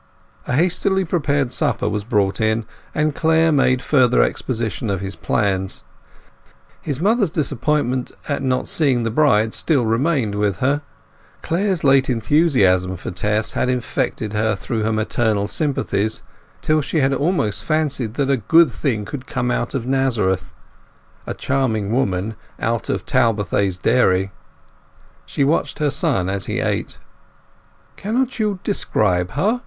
A hastily prepared supper was brought in, and Clare made further exposition of his plans. His mother's disappointment at not seeing the bride still remained with her. Clare's late enthusiasm for Tess had infected her through her maternal sympathies, till she had almost fancied that a good thing could come out of Nazareth—a charming woman out of Talbothays Dairy. She watched her son as he ate. "Cannot you describe her?